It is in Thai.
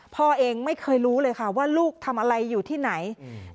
พ่อเองไม่เคยรู้เลยค่ะว่าลูกทำอะไรอยู่ที่ไหนอืม